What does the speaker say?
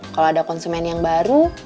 kalau ada konsumen yang baru